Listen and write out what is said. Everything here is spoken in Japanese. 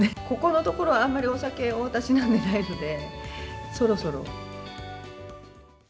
ここのところ、あんまりお酒をたしなんでないので、そろそろ。